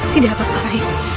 tidak apa apa lai